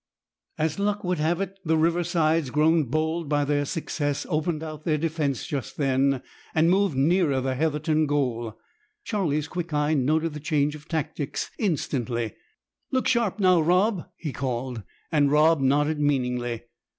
As luck would have it, the Riversides, grown bold by their success, opened out their defence just then, and moved nearer the Heatherton goal. Charlie's quick eye noted the change of tactics instantly. "Look sharp now, Rob," he called, and Rob nodded meaningly.